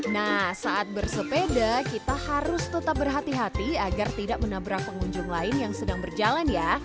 nah saat bersepeda kita harus tetap berhati hati agar tidak menabrak pengunjung lain yang sedang berjalan ya